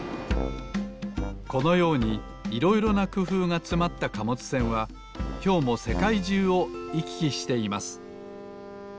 このようにいろいろなくふうがつまった貨物船はきょうもせかいじゅうをいききしています